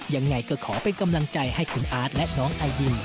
ยังไงก็ขอเป็นกำลังใจให้คุณอาร์ตและน้องไอดิน